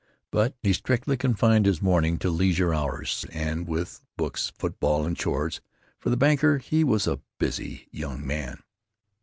But he strictly confined his mourning to leisure hours—and with books, football, and chores for the banker, he was a busy young man....